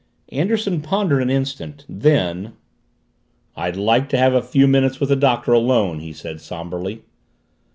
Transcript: Anderson pondered an instant. Then "I'd like to have a few minutes with the Doctor alone," he said somberly.